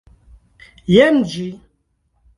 Jen ĝi.